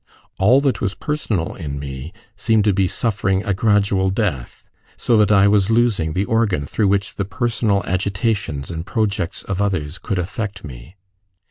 All that was personal in me seemed to be suffering a gradual death, so that I was losing the organ through which the personal agitations and projects of others could affect me.